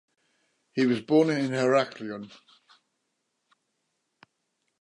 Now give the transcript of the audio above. He was born in Heraklion.